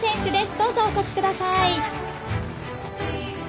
どうぞお越しください。